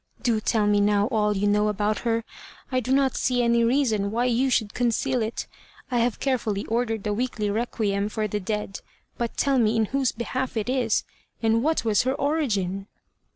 Do tell me now all you know about her; I do not see any reason why you should conceal it. I have carefully ordered the weekly requiem for the dead; but tell me in whose behalf it is, and what was her origin?"